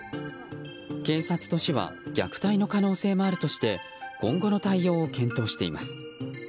警察と市は虐待の可能性もあるとして今後の対応を検討しています。